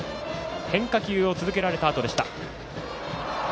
変化球を続けられたあと。